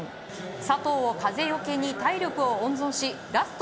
佐藤を風よけに体力を温存しラスト